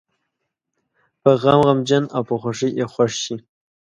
په غم غمجن او په خوښۍ یې خوښ شي.